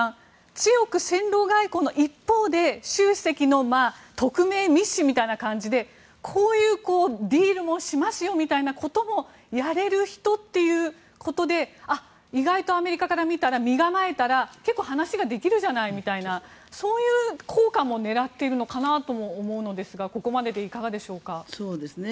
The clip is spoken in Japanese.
強く戦狼外交の一方で習主席の特命密使みたいな感じでこういうディールもしますよということをやれる人ということであ、意外とアメリカから見たら身構えたら結構話ができるじゃないみたいなそういう効果も狙っているのかなと思うんですがここまででいかがでしょうか。